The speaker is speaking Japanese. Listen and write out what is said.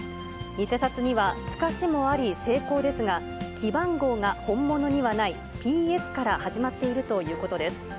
偽札には、透かしもあり、精巧ですが、記番号が本物にはない、ＰＳから始まっているということです。